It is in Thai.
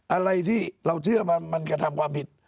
อะไรที่เราเชื่อมันกระทำความผิด